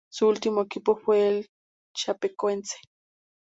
Su último equipo fue el Chapecoense.